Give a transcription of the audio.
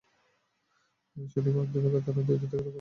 শনিবার দিবাগত রাত দুইটা থেকে রোববার সকাল সাড়ে আটটা পর্যন্ত চলে গুলি।